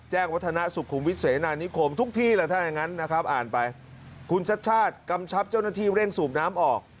วัฒนาสุขุมวิทเสนานิคมทุกที่แหละถ้าอย่างนั้นนะครับอ่านไปคุณชัดชาติกำชับเจ้าหน้าที่เร่งสูบน้ำออก